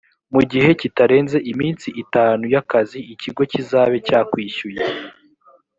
mu gihe kitarenze iminsi itanu y’ akazi ikigo kizabe cyakwishyuye